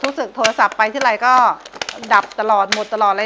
ทุกสิทธิศโทรศัพท์ไปทีละก็ดับตลอดหมดตลอด